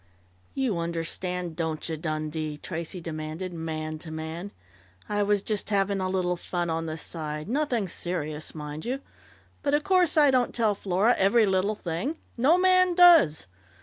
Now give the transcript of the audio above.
"You understand, don't you, Dundee?" Tracey demanded, man to man. "I was just having a little fun on the side nothing serious, mind you! But of course I didn't tell Flora every little thing . No man does!